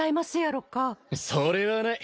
それはない。